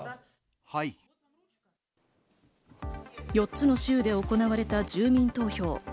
４つの州で行われた住民投票。